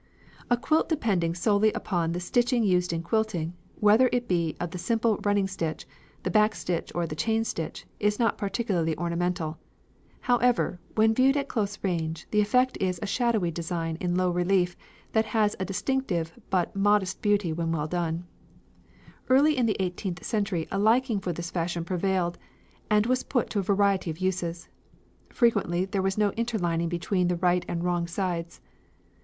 A quilt depending solely upon the stitching used in quilting, whether it be of the simple running stitch, the back stitch, or the chain stitch, is not particularly ornamental. However, when viewed at close range, the effect is a shadowy design in low relief that has a distinctive but modest beauty when well done. Early in the eighteenth century a liking for this fashion prevailed, and was put to a variety of uses. Frequently there was no interlining between the right and wrong sides.